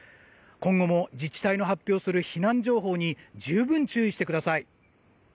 今後も自治体の発表する避難情報に十分注意してください。